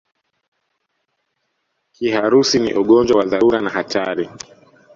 Kiharusi ni ugonjwa wa dharura na hatari